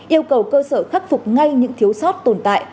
yêu cầu cơ sở khắc phục ngay những thiếu sót tồn tại